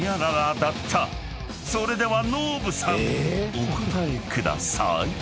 ［それではノブさんお答えください］